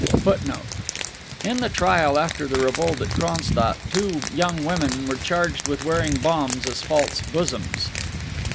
In the trial after the revolt at Cronstadt two young women were charged with wearing bombs as false bosoms.